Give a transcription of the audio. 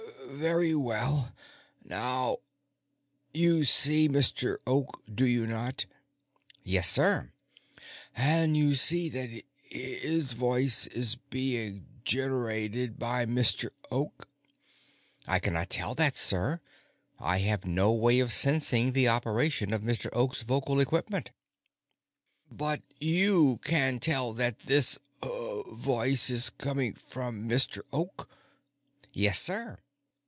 "Very well. Now, you see Mr. Oak, do you not?" "Yes, sir." "And you see that this voice is being generated by Mr. Oak?" "I cannot tell that, sir. I have no way of sensing the operation of Mr. Oak's vocal equipment." "But you can tell that this voice is coming from Mr. Oak?" "Yes, sir."